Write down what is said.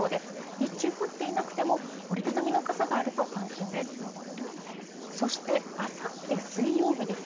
日中、降っていなくても、折り畳みの傘があると安心です。